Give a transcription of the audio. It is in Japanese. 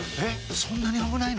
そんなに危ないの？